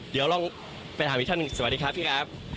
เดี๋ยวลองไปถามอีกท่านหนึ่งสวัสดีครับพี่ครับ